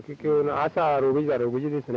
朝６時６時ですね。